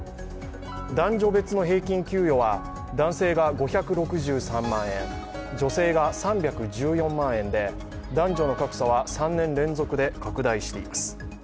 男女別の平均給与は、男性が５６３万円、女性が３１４万円で男女の格差は３年連続で拡大しています。